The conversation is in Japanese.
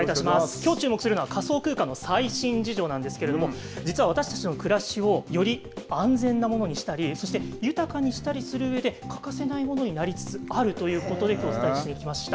きょう注目するのは、仮想空間の最新事情なんですけれども、実は私たちの暮らしを、より安全なものにしたり、そして豊かにしたりするうえで欠かせないものになりつつあるということで、きょう、お伝えしに来ました。